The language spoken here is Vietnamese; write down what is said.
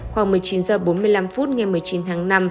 khoảng một mươi chín h bốn mươi năm ngay một mươi chín tháng năm